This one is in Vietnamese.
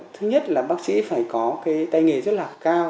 thứ nhất là bác sĩ phải có cái tay nghề rất là cao